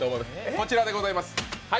こちらでございます。